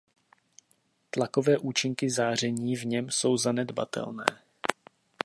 Tlakové účinky záření v něm jsou zanedbatelné.